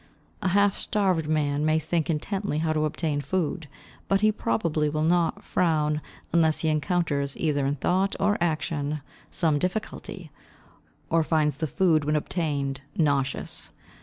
A half starved man may think intently how to obtain food, but he probably will not frown unless he encounters either in thought or action some difficulty, or finds the food when obtained nauseous.